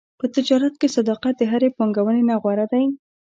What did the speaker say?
په تجارت کې صداقت د هرې پانګونې نه غوره دی.